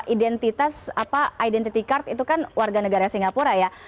identitas apa identity card itu kan warga negara singapura ya